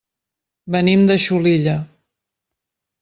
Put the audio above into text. Venim de Xulilla.